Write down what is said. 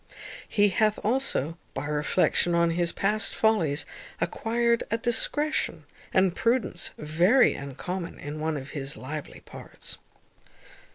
He hath also, by reflection on his past follies, acquired a discretion and prudence very uncommon in one of his lively parts.